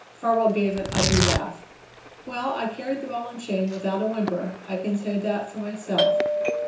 Farwell gave an ugly laugh. "Well, I carried the ball and chain without a whimper, I can say that for myself.